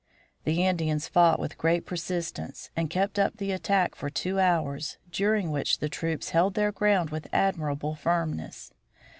The Indians fought with great persistence and kept up the attack for two hours, during which the troops held their ground with admirable firmness.